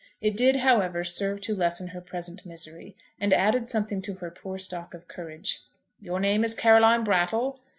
It did, however, serve to lessen her present misery, and added something to her poor stock of courage. "Your name is Caroline Brattle?"